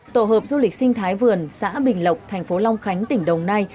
tổ hợp du lịch sinh thái vườn xã bình lộc thành phố long khánh tỉnh đồng nai